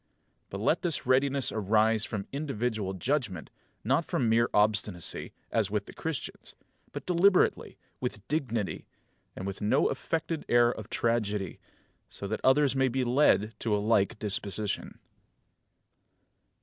But let this readiness arise from individual judgment, not from mere obstinacy, as with the Christians, but deliberately, with dignity, and with no affected air of tragedy; so that others may be led to a like disposition.